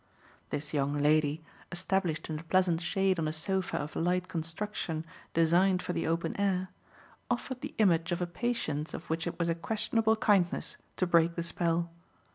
This young lady, established in the pleasant shade on a sofa of light construction designed for the open air, offered the image of a patience of which it was a questionable kindness to break the spell.